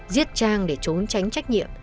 giết trang để trốn tránh trách nhiệm